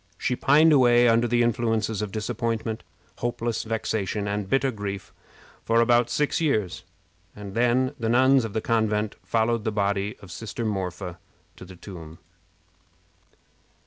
She pined away under the influences of disappointment, hopeless vexation, and bitter grief for about six years, and then the nuns of the convent followed the body of sister Marpha to the tomb.